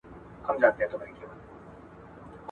له بارانه وﻻړ سوې، تر ناوې لاندي کښېنستې.